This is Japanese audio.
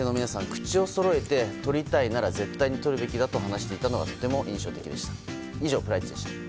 口をそろえてとりたいなら絶対とるべきだと話していたのがとても印象的でした。